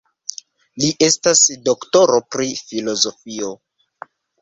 Li estas doktoro pri filozofio.